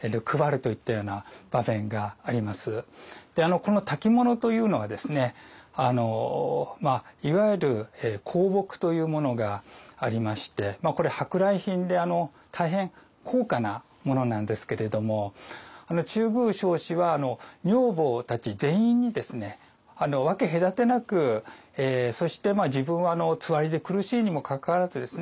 この薫物というのがですねいわゆる香木というものがありましてこれ舶来品で大変高価なものなんですけれども中宮彰子は女房たち全員に分け隔てなくそして自分はつわりで苦しいにもかかわらずですね